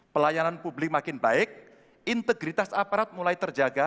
pelayanan publik makin baik integritas aparat mulai terjaga